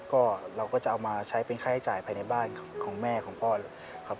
ก็เราก็จะเอามาใช้เป็นค่าใช้จ่ายภายในบ้านของแม่ของพ่อครับ